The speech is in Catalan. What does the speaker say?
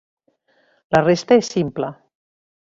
La resta és simple.